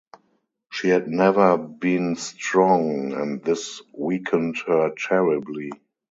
She had never been strong, and this weakened her terribly.